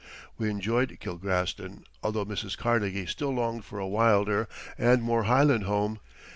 We enjoyed Kilgraston, although Mrs. Carnegie still longed for a wilder and more Highland home.